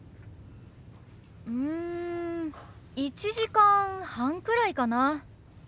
うん１時間半くらいかな。